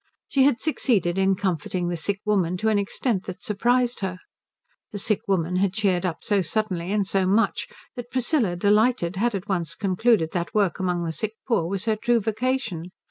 She had succeeded in comforting the sick woman to an extent that surprised her. The sick woman had cheered up so suddenly and so much that Priscilla, delighted, had at once concluded that work among the sick poor was her true vocation.